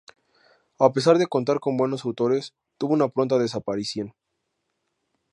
A pesar de contar con buenos autores, tuvo una pronta desaparición.